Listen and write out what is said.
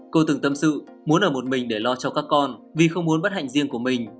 cô từng tâm sự muốn ở một mình để lo cho các con vì không muốn bất hạnh riêng của mình